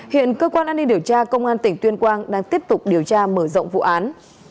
hiện cơ quan an ninh điều tra công an tỉnh tuyên quang đang tiếp tục điều tra mở rộng vụ án